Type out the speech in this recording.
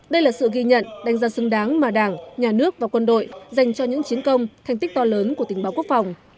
đây là sự ghi nhận đánh giá xứng đáng mà đảng nhà nước và quân đội dành cho những chiến công thành tích to lớn của tình báo quốc phòng